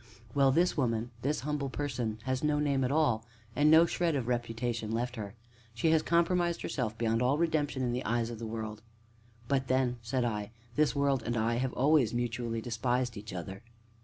"Well, this woman this Humble Person has no name at all, and no shred of reputation left her. She has compromised herself beyond all redemption in the eyes of the world." "But then," said I, "this world and I have always mutually despised each other."